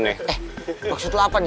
eh eh box itu apa nih